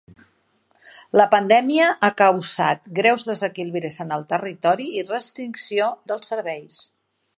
La pandèmia ha causat greus desequilibris en el territori i restricció dels serveis.